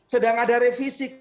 sedang ada revisi